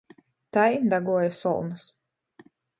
Tai daguoja solnys...